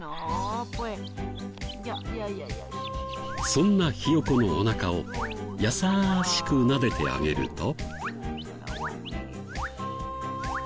そんなひよこのおなかをやさしくなでてあげると。